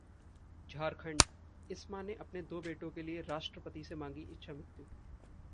झारखंड: इस मां ने अपने दो बेटों के लिए राष्ट्रपति से मांगी इच्छा मृत्यु